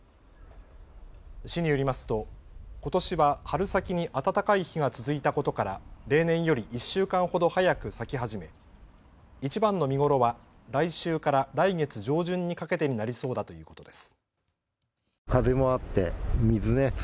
市によりますとことしは春先に暖かい日が続いたことから例年より１週間ほど早く咲き始めいちばんの見頃は来週から来月上旬にかけてになりそうだということです。